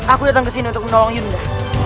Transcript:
aku datang ke sini untuk menolong yunda